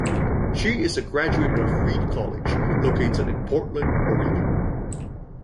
She is a graduate of Reed College, located in Portland, Oregon.